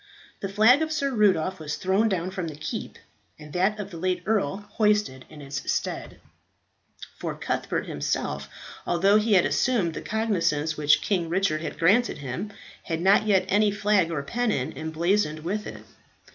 The flag of Sir Rudolph was thrown down from the keep, and that of the late earl hoisted in its stead; for Cuthbert himself, although he had assumed the cognizance which King Richard had granted him, had not yet any flag or pennon emblazoned with it.